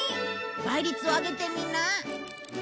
倍率を上げてみな。